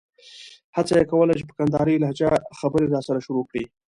هڅه یې کوله چې په کندارۍ لهجه خبرې راسره شروع کړي.